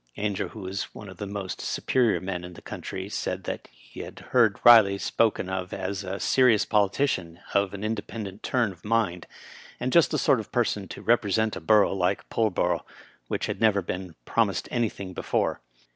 Ainger, who was one of the most superior men in the country, said he had heard Riley spoken of as a serious politician of an independent turn of mind, and just the sort of person to represent a borough like Pull borough, which had never been promised anything be fore.